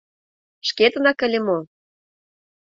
Шкетынак ыле мо?